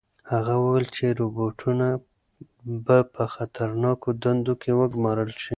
هغه وویل چې روبوټونه به په خطرناکو دندو کې وګمارل شي.